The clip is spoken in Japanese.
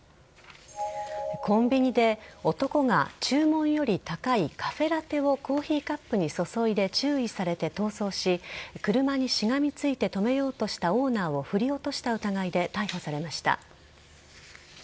コンビニで男が注文より高いカフェラテをコーヒーカップに注いで注意されて逃走し車にしがみついて止めようとしたオーナーを振り落とした疑いで逮捕されました。